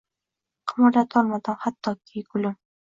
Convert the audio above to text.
Qimirlatolmadim hattoki, gulim